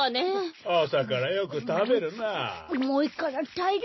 あさからよくたべるなあ。